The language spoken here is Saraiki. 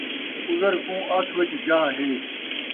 عذر کوں اکھ وچ جاہ ہے